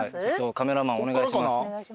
カメラマンお願いします。